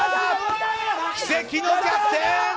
奇跡の逆転！